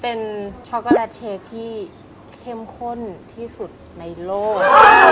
เป็นโชคแลตเชคที่เข้มข้นที่สุดในโลก